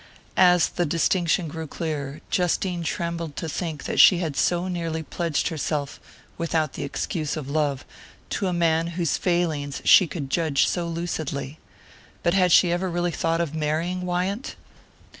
As the distinction grew clearer, Justine trembled to think that she had so nearly pledged herself, without the excuse of love, to a man whose failings she could judge so lucidly.... But had she ever really thought of marrying Wyant?